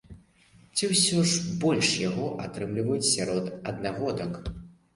Ці ўсё ж больш яго атрымліваюць сярод аднагодак?